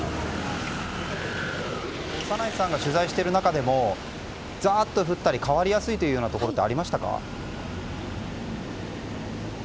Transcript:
小山内さんが取材している中でもザーッと降ったり変わりやすいというところはありましたか。